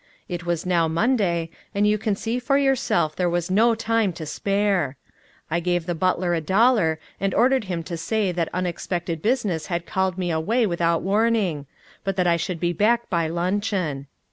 It was now Monday, and you can see for yourself there was no time to spare. I gave the butler a dollar, and ordered him to say that unexpected business had called me away without warning, but that I should be back by luncheon.